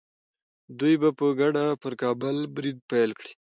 دوی به په ګډه پر کابل برید پیل کړي.